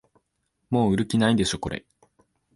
もう売る気ないでしょこれ